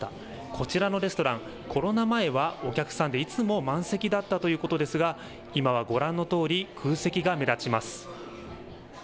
こちらのレストラン、コロナ前はお客さんでいつも満席だったということですが、今はご覧のとおり、空席が目立ちます。